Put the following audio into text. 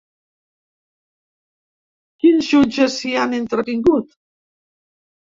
Quins jutges hi han intervingut?